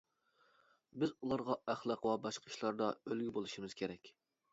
بىز ئۇلارغا ئەخلاق ۋە باشقا ئىشلاردا ئۈلگە بولۇشىمىز كېرەك.